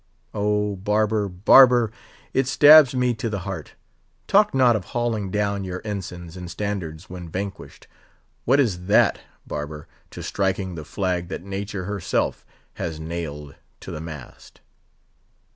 Oh! barber, barber! it stabs me to the heart.—Talk not of hauling down your ensigns and standards when vanquished—what is that, barber! to striking the flag that Nature herself has nailed to the mast!"